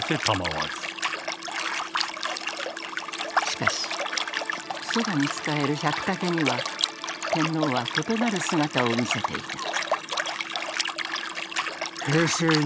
しかしそばに仕える百武には天皇は異なる姿を見せていた。